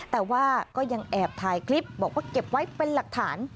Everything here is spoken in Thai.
แต่ว่าก็ยังแอบถ่ายคลิปบอกว่าเก็บไว้เป็นหลักฐาน